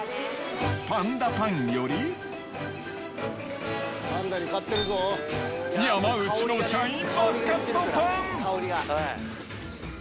パンダパンより山内のシャインマスカットパン。